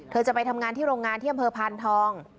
เธอจะไปทำงานที่โรงงานเที่ยวเผอร์พันธ์ทอง